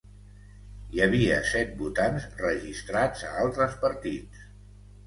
Hi havia set votants registrats a altres partits.